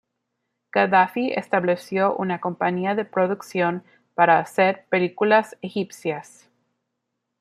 Gaddafi estableció una compañía de producción para hacer películas egipcias.